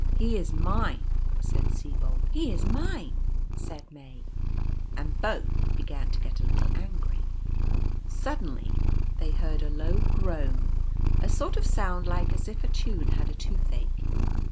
" He is mine," said Sibold; " He is mine," said May; and both began to get a little angry. Suddenly they heard a low groan — a sort of sound like as if a tune had a toothache.